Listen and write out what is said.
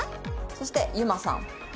そして遊馬さん。